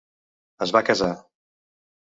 Es va casar.